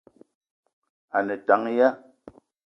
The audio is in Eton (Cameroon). A ne tank ya ?